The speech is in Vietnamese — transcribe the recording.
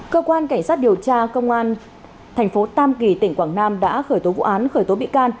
cơ quan cảnh sát điều tra công an thành phố tam kỳ tỉnh quảng nam đã khởi tố vụ án khởi tố bị can